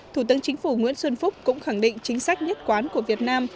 thủ tướng chính phủ nguyễn xuân phúc cũng khẳng định chính sách nhất quán của việt nam